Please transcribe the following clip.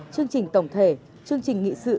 chương trình tổng thể chương trình nghị sự